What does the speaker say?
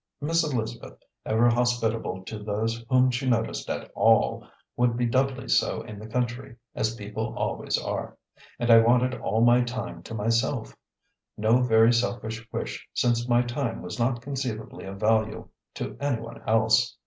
Miss Elizabeth, ever hospitable to those whom she noticed at all, would be doubly so in the country, as people always are; and I wanted all my time to myself no very selfish wish since my time was not conceivably of value to any one else.